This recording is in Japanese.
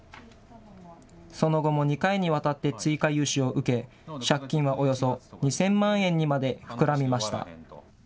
その後も２回にわたって追加融資を受け、借金はおよそ２０００万円にまで膨らみました。